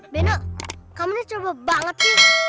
beno kamu ini coba banget sih